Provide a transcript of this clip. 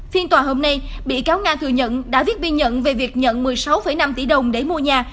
phiên tòa hôm nay bị cáo nga thừa nhận đã viết biên nhận về việc nhận một mươi sáu năm tỷ đồng để mua nhà